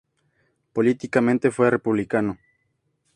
Políticamente fue republicano.